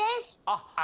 あっ！